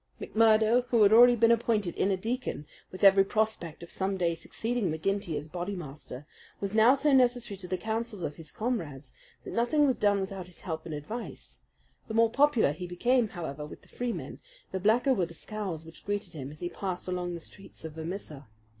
McMurdo, who had already been appointed Inner Deacon, with every prospect of some day succeeding McGinty as Bodymaster, was now so necessary to the councils of his comrades that nothing was done without his help and advice. The more popular he became, however, with the Freemen, the blacker were the scowls which greeted him as he passed along the streets of Vermissa.